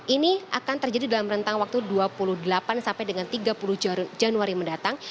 ini akan terjadi dalam rentang waktu dua puluh delapan sampai dengan tiga puluh januari mendatang